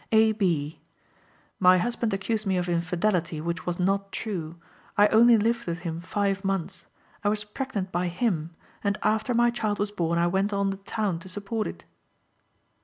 A. B.: "My husband accused me of infidelity, which was not true. I only lived with him five months. I was pregnant by him, and after my child was born I went on the town to support it."